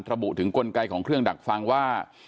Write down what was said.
ระบุถึงกลไกของเครื่องดักฟังว่า